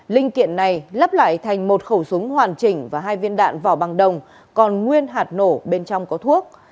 linh kiện này lắp lại thành một khẩu súng hoàn chỉnh và hai viên đạn vỏ bằng đồng còn nguyên hạt nổ bên trong có thuốc